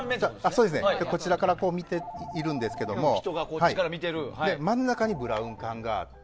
そうですねこちらから見ているんですけど真ん中にブラウン管があって。